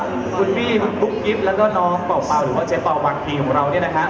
คุณพี่คุณกิฟต์แล้วก็น้องป้าวหรือว่าเจ๊ป้าววางทีของเรานี่นะครับ